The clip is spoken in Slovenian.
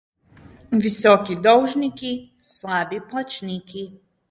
Visoki dolžniki, slabi plačniki.